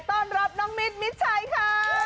ต้อนรับน้องมิดมิดชัยค่ะ